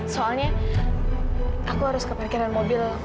soalnya aku harus ke parkiran mobil